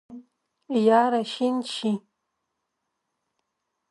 یا راشین شي